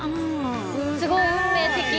すごい運命的。